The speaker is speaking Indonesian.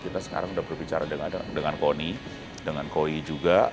kita sekarang udah berbicara dengan kony dengan koi juga